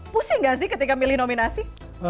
pusing gak sih ketika milih nominasi